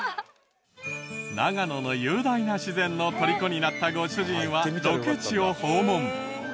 長野の雄大な自然の虜になったご主人はロケ地を訪問。